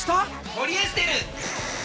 ポリエステル！